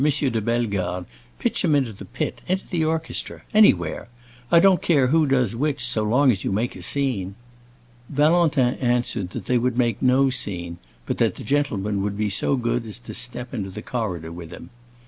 de Bellegarde, pitch him into the pit, into the orchestra—anywhere! I don't care who does which, so long as you make a scene." Valentin answered that they would make no scene, but that the gentleman would be so good as to step into the corridor with him.